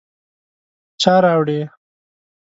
_چا راوړې ؟